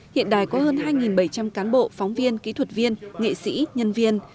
hiện đài có hơn hai bảy trăm linh cán bộ phóng viên kỹ thuật viên nghệ sĩ nhân viên